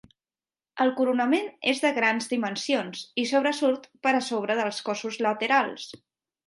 El coronament és de grans dimensions i sobresurt per sobre dels cossos laterals.